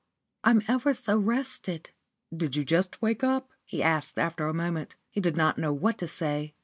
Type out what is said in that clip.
I'm ever so rested." "Did you just wake up?" he said, after a moment. He did not know what to say.